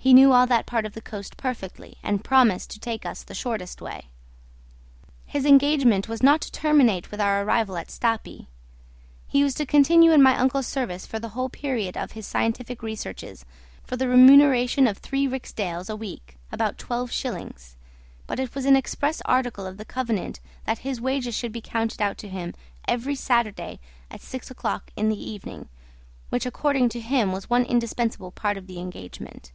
He knew all that part of the coast perfectly, and promised to take us the shortest way. His engagement was not to terminate with our arrival at Stapi; he was to continue in my uncle's service for the whole period of his scientific researches, for the remuneration of three rixdales a week (about twelve shillings), but it was an express article of the covenant that his wages should be counted out to him every Saturday at six o'clock in the evening, which, according to him, was one indispensable part of the engagement.